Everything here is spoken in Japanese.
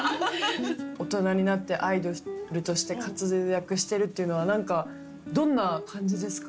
大人になってアイドルとして活躍してるっていうのは何かどんな感じですか？